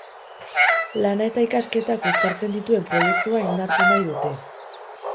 Lana eta ikasketak uztartzen dituen proiektua indartu nahi dute.